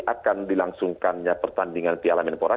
karena nanti akan dilangsungkan pertandingan piala menpora